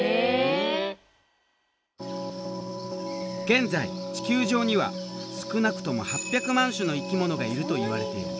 現在地球上には少なくとも８００万種の生き物がいるといわれている。